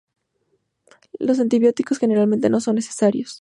Los antibióticos generalmente no son necesarios.